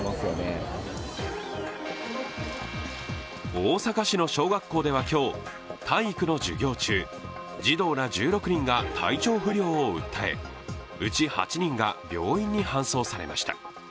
大阪市の小学校では今日、体育の授業中、児童ら１６人が体調不良を訴え、うち８人が病院に搬送されました。